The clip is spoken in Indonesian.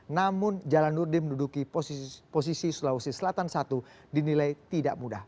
namun jalan nurdin menduduki posisi sulawesi selatan satu dinilai tidak mudah